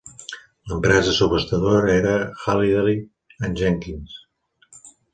L'empresa subhastadora era Halliday and Jenkins.